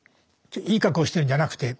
いい格好をしてるんじゃなくて。